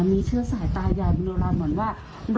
มีเชื้อสายตายใหญ่มโนราเหมือนว่า